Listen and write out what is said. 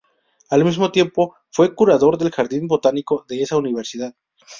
Al mismo tiempo fue curador del Jardín Botánico de esa Universidad.